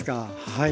はい。